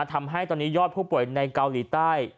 ทำให้ตอนนี้ยอดผู้ป่วยในเกาหลีใต้